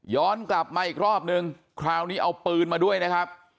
กลับมาอีกรอบนึงคราวนี้เอาปืนมาด้วยนะครับ